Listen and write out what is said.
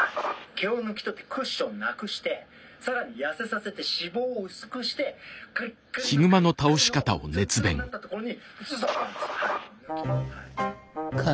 毛を抜き取ってクッションなくして更に痩せさせて脂肪を薄くしてガリッガリのガリッガリのツルッツルになったところにズドーンです。